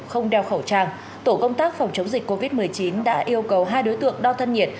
không đeo khẩu trang tổ công tác phòng chống dịch covid một mươi chín đã yêu cầu hai đối tượng đo thân nhiệt